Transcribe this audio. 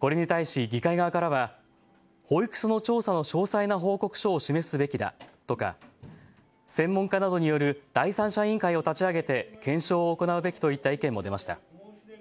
これに対し議会側からは保育所の調査の詳細な報告書を示すべきだとか専門家などによる第三者委員会を立ち上げて検証を行うべきといった意見も出ました。